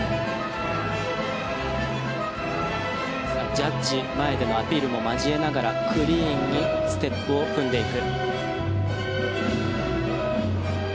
ジャッジ前でのアピールも交えながらクリーンにステップを踏んでいく。